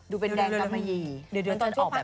ดูเป็นแดงกำใหม่ยีเดี๋ยวเดือนตอนชั่วพัก